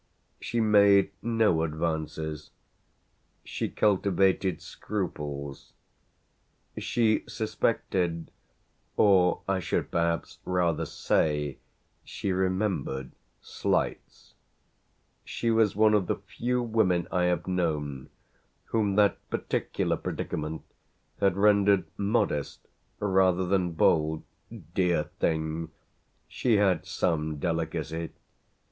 She made no advances; she cultivated scruples; she suspected, or I should perhaps rather say she remembered slights: she was one of the few women I have known whom that particular predicament had rendered modest rather than bold. Dear thing! she had some delicacy.